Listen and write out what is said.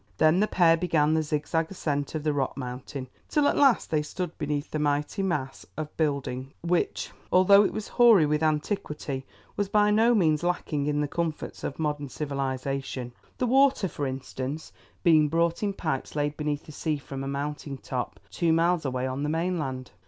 Then the pair began the zigzag ascent of the rock mountain, till at last they stood beneath the mighty mass of building, which, although it was hoary with antiquity, was by no means lacking in the comforts of modern civilization, the water, for instance, being brought in pipes laid beneath the sea from a mountain top two miles away on the mainland.